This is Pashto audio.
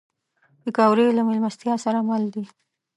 پکورې له میلمستیا سره مل دي